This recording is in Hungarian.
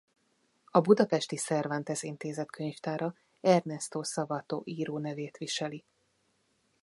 A Budapesti Cervantes Intézet könyvtára Ernesto Sabato író nevét viseli.